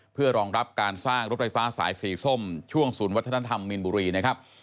เพื่อรองรับการสร้างรถไฟฟ้าสายสีส้มช่วงศูนย์วัฒนธรรมมีนบุรีนะครับ